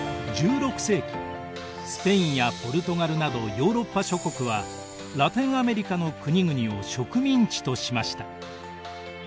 １６世紀スペインやポルトガルなどヨーロッパ諸国はラテンアメリカの国々を植民地としました。